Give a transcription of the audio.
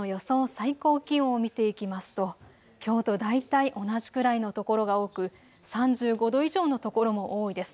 最高気温を見ていきますと、きょうと大体同じくらいの所が多く、３５度以上の所も多いです。